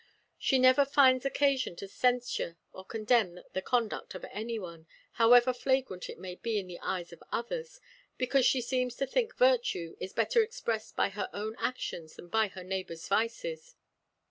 She never finds occasion to censure or condemn the conduct of anyone, however flagrant it may be in the eyes of others; because she seems to think virtue is better expressed by her own actions than by her neighbour's vices.